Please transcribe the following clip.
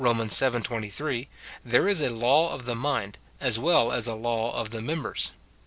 vii.*23, there is a law of the mind, as well as a law of the members.